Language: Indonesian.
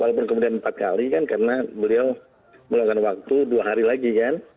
walaupun kemudian empat kali kan karena beliau meluangkan waktu dua hari lagi kan